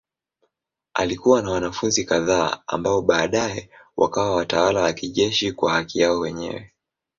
Alikuwa na wanafunzi kadhaa ambao baadaye wakawa watawala wa kijeshi kwa haki yao wenyewe.